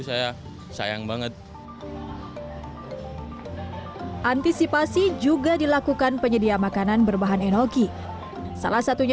saya sayang banget antisipasi juga dilakukan penyedia makanan berbahan enoki salah satunya